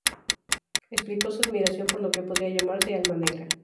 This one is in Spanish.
Explicó su admiración por lo que podría llamarse "alma negra".